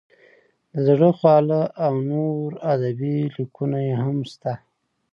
د زړه خواله او نور ادبي لیکونه یې هم شته.